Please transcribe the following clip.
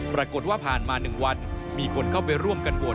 ปรากฏว่าผ่านมา๑วันมีคนเข้าไปร่วมกันบวช